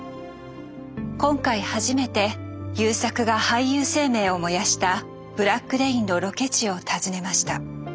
今回初めて優作が俳優生命を燃やした「ブラック・レイン」のロケ地を訪ねました。